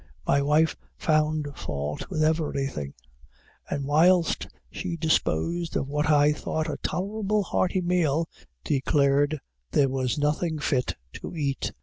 My wife found fault with everything; and whilst she disposed of what I thought a tolerable hearty meal, declared there was nothing fit to eat.